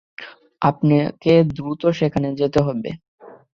আপনাকে দ্রুত সেখানে যেতে হবে।